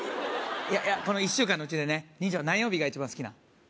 この１週間のうちでね兄ちゃんは何曜日が一番好きなん？